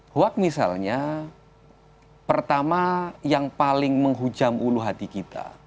hoak misalnya pertama yang paling menghujam ulu hati kita